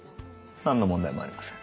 なんの問題もありません。